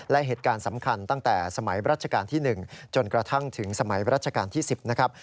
และเหตุการณ์สำคัญตั้งแต่สมัยรัชกาลที่๑จนกระทั่งถึงสมัยรัชกาลที่๑๐นะครับ